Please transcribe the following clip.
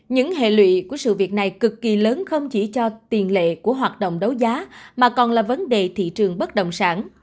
những hệ lụy của sự việc này cực kỳ lớn không chỉ cho tiền lệ của hoạt động đấu giá mà còn là vấn đề thị trường bất động sản